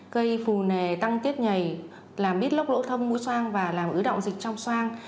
cây phù nề tăng tiết nhầy làm bít lốc lỗ thâm mua sang và làm ứ động dịch trong xoang